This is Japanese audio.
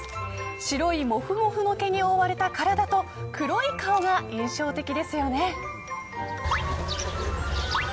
白いもふもふの毛に覆われた体と黒い顔が印象的ですよね。